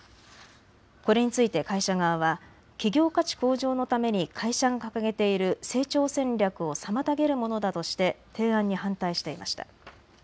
これについて会社側は企業価値向上のために会社が掲げている成長戦略を妨げるものだとして提案に反対していました。